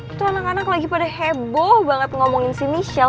itu anak anak lagi pada heboh banget ngomongin si michelle